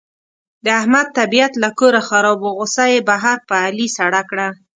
د احمد طبیعت له کوره خراب و، غوسه یې بهر په علي سړه کړه.